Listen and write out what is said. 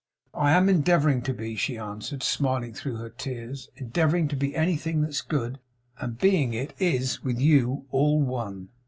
'I am endeavouring to be,' she answered, smiling through her tears. 'Endeavouring to be anything that's good, and being it, is, with you, all one.